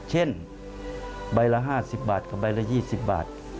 เช่นใบละห้าสิบบาทกับใบละยี่สิบบาท